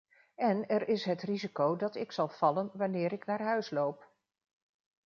En er is het risico dat ik zal vallen wanneer ik naar huis loop.